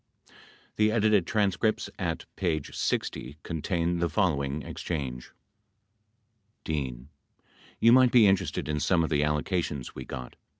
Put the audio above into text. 95 The edited transcripts, at p. 60, contain the following exchange : D. You might be interested in some of the allocations we got.